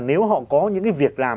nếu họ có những cái việc làm